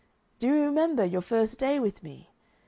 Do you remember your first day with me?...